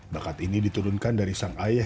bakat ini diturunkan dari sang ayah